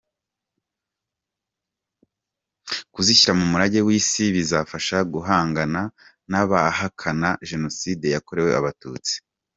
Kuzishyira mu murage w’Isi bizafasha guhangana n’abahakana Jenoside yakorewe Abatutsi.